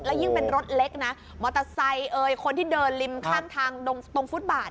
ยิ่งเป็นรถเล็กนะมอเตอร์ไซค์เอ่ยคนที่เดินริมข้างทางตรงฟุตบาท